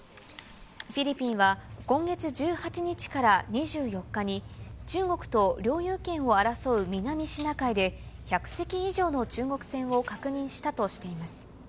フィリピンは今月１８日から２４日に、中国と領有権を争う南シナ海で、１００隻以上の中国船を確認したとしています。